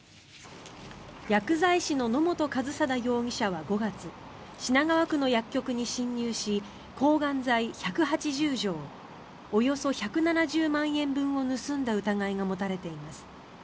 薬剤師の野本一定容疑者は５月品川区の薬局に侵入し抗がん剤１８０錠およそ１７０万円分を盗んだ疑いが持たれています。